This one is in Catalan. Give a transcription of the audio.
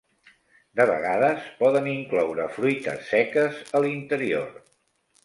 De vegades poden incloure fruites seques a l'interior.